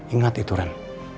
ingat itu ren